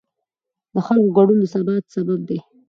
د خلکو ګډون د ثبات سبب دی